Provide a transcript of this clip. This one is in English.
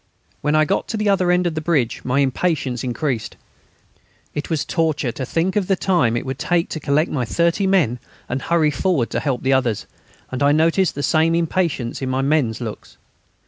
When I got to the other end of the bridge my impatience increased. It was torture to think of the time it would take to collect my thirty men and hurry forward to help the others; and I noticed the same impatience in my men's looks.